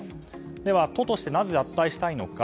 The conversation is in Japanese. では、都としてなぜ脱退したいのか。